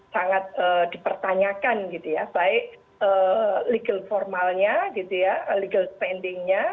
sangat dipertanyakan baik legal formalnya legal spendingnya